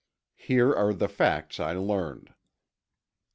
Here aye the facts I learned: 1.